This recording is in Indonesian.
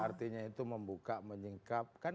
artinya itu membuka menyingkapkan